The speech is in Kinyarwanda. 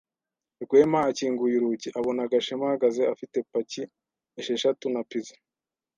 Rwema akinguye urugi, abona Gashema ahagaze afite paki esheshatu na pizza.